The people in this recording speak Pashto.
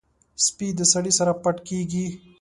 سپي د سړي سره پټ کېږي.